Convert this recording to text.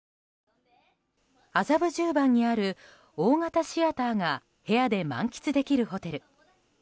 麻布十番にある大型シアターが部屋で満喫できるホテル。